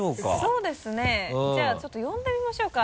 そうですねじゃあちょっと呼んでみましょうか。